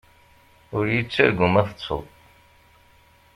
Ur yi-ttargu ma teṭṭseḍ.